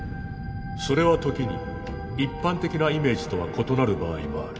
それは時に一般的なイメージとは異なる場合もある。